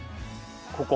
ここ？